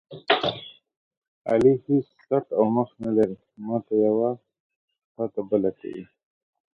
علي هېڅ څټ او مخ نه لري، ماته یوه تاته بله کوي.